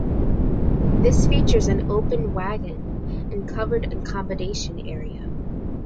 This features an open wagon and covered accommodation area.